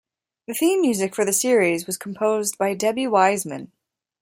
The theme music for the series was composed by Debbie Wiseman.